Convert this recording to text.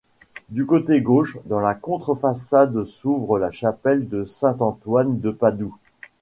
Du côté gauche, dans la contre-façade s'ouvre la chapelle de saint-Antoine de Padoue.